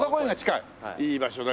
いい場所だよ。